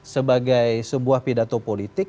sebagai sebuah pidato politik